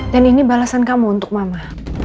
dan ini balasan kamu untuk mama